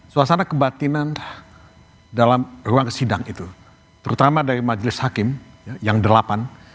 suasana kebatinan dalam ruang sidang itu terutama dari majelis hakim yang delapan